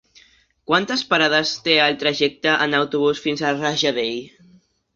Quantes parades té el trajecte en autobús fins a Rajadell?